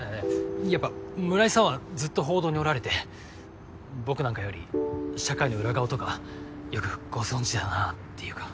いやいややっぱ村井さんはずっと報道におられて僕なんかより社会の裏側とかよくご存じだなっていうか。